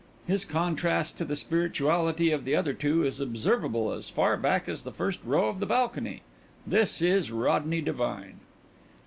His contrast to the spirituality of the other two is observable as far back as the first row of the balcony. This is_ RODNEY DIVINE.)